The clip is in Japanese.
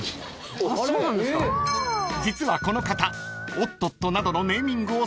［実はこの方］